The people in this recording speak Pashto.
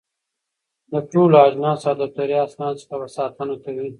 د ټولو اجناسو او دفتري اسنادو څخه به ساتنه کوي.